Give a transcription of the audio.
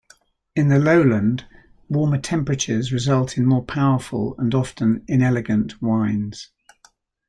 In the lowland, warmer temperatures result in more powerful and often inelegant wines.